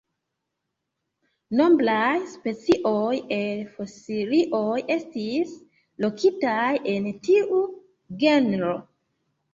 Nombraj specioj el fosilioj estis lokitaj en tiu genro.